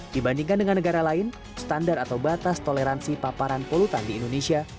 dibandingkan dengan negara lain standar atau batas toleransi paparan polutan di indonesia